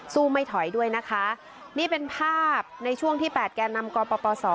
ไม่ถอยด้วยนะคะนี่เป็นภาพในช่วงที่แปดแก่นำกปศ